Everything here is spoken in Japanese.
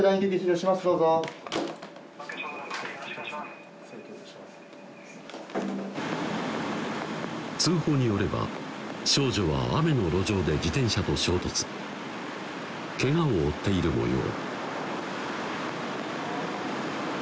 どうぞ通報によれば少女は雨の路上で自転車と衝突ケガを負っている模様